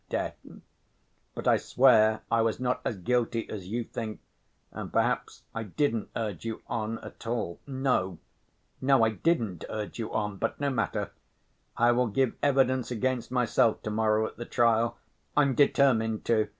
death, but I swear I was not as guilty as you think, and perhaps I didn't urge you on at all. No, no, I didn't urge you on! But no matter, I will give evidence against myself to‐morrow at the trial. I'm determined to!